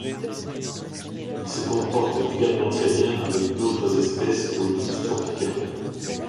Il se comporte également très bien avec d'autres espèces d'eau douce tropicale.